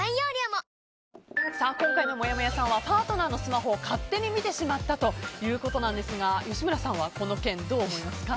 今回のもやもやさんはパートナーのスマホを勝手に見てしまったということですが吉村さんはこの件どう思いますか？